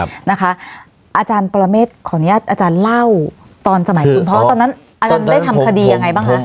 อาจารย์ปรเมฆขออนุญาตอาจารย์เล่าตอนสมัยคุณพ่อตอนนั้นอาจารย์ได้ทำคดียังไงบ้างคะ